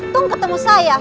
untung ketemu saya